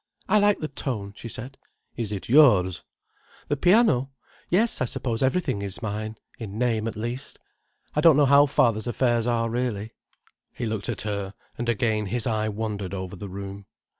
"I like the tone," she said. "Is it yours?" "The piano? Yes. I suppose everything is mine—in name at least. I don't know how father's affairs are really." He looked at her, and again his eye wandered over the room.